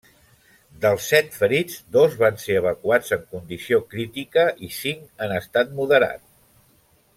Dels set ferits dos van ser evacuats en condició crítica i cinc en estat moderat.